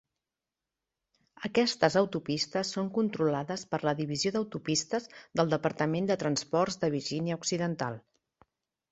Aquestes autopistes són controlades per la Divisió d"autopistes del Departament de transports de Virginia Occidental.